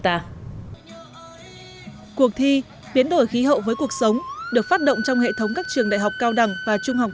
khí hậu với cuộc sống được phát động trong hệ thống các trường đại học cao đẳng và trung học